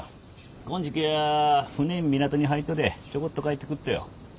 こおん時期は船ん港に入っとでちょこっと帰ってくっとよ。